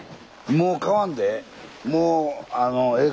もう買わんでええ。